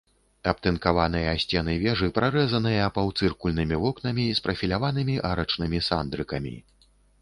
Абтынкаваныя сцены вежы прарэзаныя паўцыркульнымі вокнамі з прафіляванымі арачнымі сандрыкамі.